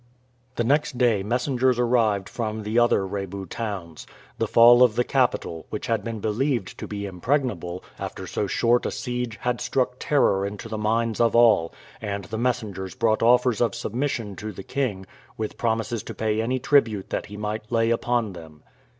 The next day messengers arrived from the other Rebu towns. The fall of the capital, which had been believed to be impregnable, after so short a siege had struck terror into the minds of all, and the messengers brought offers of submission to the king, with promises to pay any tribute that he might lay upon them.